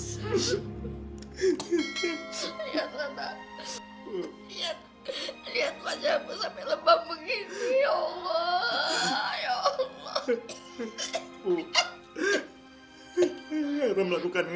ibu kenapa bukannya